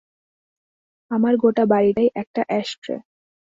আমার গোটা বাড়িটাই একটা অ্যাশট্রে।